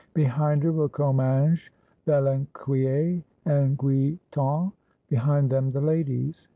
Behind her were Comminges, Villequier, and Guitant; behind them the ladies.